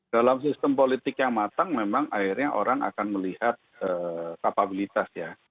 dalam sistem politik yang matang memang akhirnya orang akan melihat kapabilitas ya